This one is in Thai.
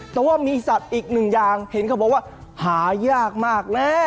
แต่ว่ามีสัตว์อีกหนึ่งอย่างเห็นเขาบอกว่าหายากมากแล้ว